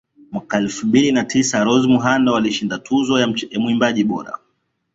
Mwaka elfu mbili na tisa Rose Muhando alishinda Tuzo ya Mwimbaji bora